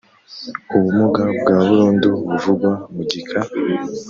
Ubumuga bwa burundu buvugwa mu gika